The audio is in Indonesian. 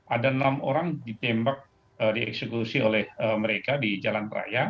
ada enam orang ditembak dieksekusi oleh mereka di jalan raya